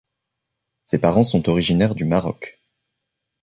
Ses parents sont originaires du Maroc.